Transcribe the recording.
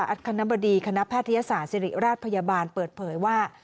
คณะบดีคณะแพทยศาสตร์ศิริราชพยาบาลเปิดเผยว่า